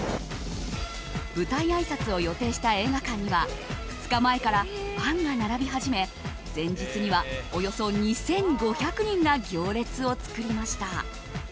舞台あいさつを予定した映画館には２日前からファンが並び始め前日にはおよそ２５００人が行列を作りました。